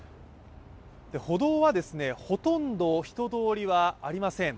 歩道はほとんど人通りはありません。